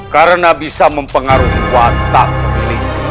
karena bisa mempengaruhi kuat tak memilih